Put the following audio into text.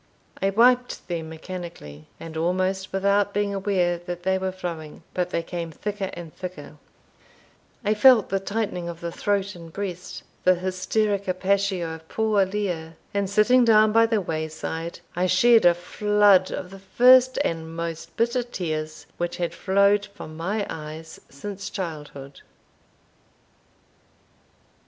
I wiped them mechanically, and almost without being aware that they were flowing but they came thicker and thicker; I felt the tightening of the throat and breast the hysterica passio of poor Lear; and sitting down by the wayside, I shed a flood of the first and most bitter tears which had flowed from my eyes since childhood.